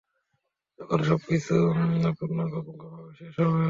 যখন সবকিছু পুঙ্খানুপুঙ্খভাবে শেষ হবে!